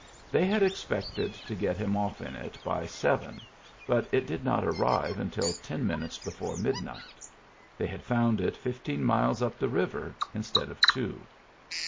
They had expected to get him oflf in it by seven, but it did not arrive until ten minutes before midnight; they had found it fifteen miles up the river, instead of two.